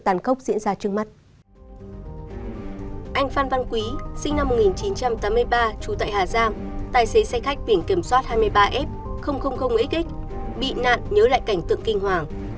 anh phan văn quý sinh năm một nghìn chín trăm tám mươi ba trú tại hà giang tài xế xe khách biển kiểm soát hai mươi ba f x bị nạn nhớ lại cảnh tượng kinh hoàng